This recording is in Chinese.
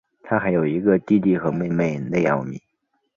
他还有一个弟弟和妹妹内奥米。